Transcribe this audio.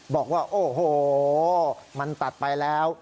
บอกว่าโอ้โหมันตัดไปแล้ว